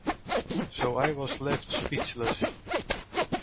So I was left speechless.